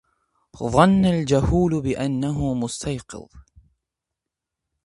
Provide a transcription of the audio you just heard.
ظن الجهول بأنه مستيقظ